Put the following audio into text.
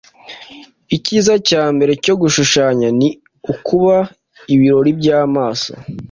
icyiza cya mbere cyo gushushanya ni ukuba ibirori byamaso